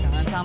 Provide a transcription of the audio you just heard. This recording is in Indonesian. bawa ke dalam